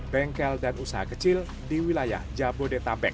bengkel dan usaha kecil di wilayah jabodetabek